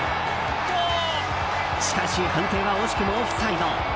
しかし判定は惜しくもオフサイド。